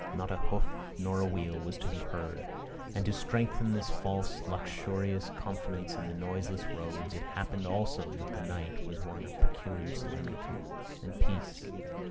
Not a hoof nor a wheel was to be heard. And to strengthen this false luxurious confidence in the noiseless roads, it happened also that the night was one of peculiar solemnity and peace.